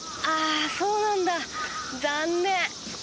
あそうなんだ残念！